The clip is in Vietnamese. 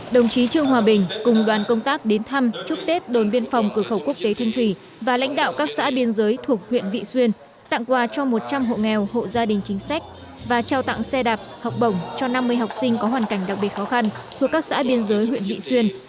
đồng chí trương hòa bình cùng đoàn công tác đến thăm chúc tết đồn biên phòng cửa khẩu quốc tế thanh thủy và lãnh đạo các xã biên giới thuộc huyện vị xuyên tặng quà cho một trăm linh hộ nghèo hộ gia đình chính sách và trao tặng xe đạp học bổng cho năm mươi học sinh có hoàn cảnh đặc biệt khó khăn thuộc các xã biên giới huyện vị xuyên